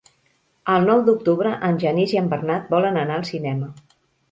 El nou d'octubre en Genís i en Bernat volen anar al cinema.